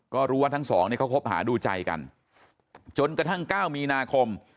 ก็รู้ว่าทั้งสองเนี่ยเขาคบหาดูใจกันจนกระทั่ง๙มีนาคม